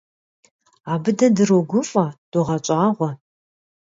Абы дэ дрогуфӀэ, догъэщӀагъуэ.